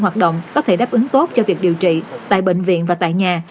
hoạt động có thể đáp ứng tốt cho việc điều trị tại bệnh viện và tại nhà